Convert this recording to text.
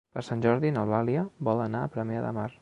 Per Sant Jordi n'Eulàlia vol anar a Premià de Mar.